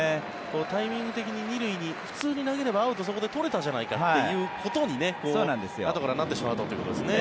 タイミング的に２塁に普通に投げればアウトがそこで取れたじゃないかということにあとからなってしまうとということですね。